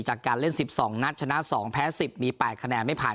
จากการเล่นสิบสองนัดชนะสองแพ้สิบมีแปดคะแนนไม่ผ่าน